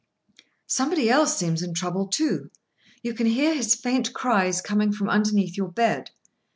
Somebody else seems in trouble, too. You can hear his faint cries coming from underneath your bed.